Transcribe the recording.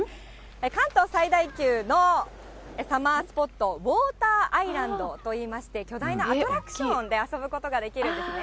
関東最大級のサマースポット、ウォーターアイランドといいまして、巨大なアトラクションで遊ぶことができるんですね。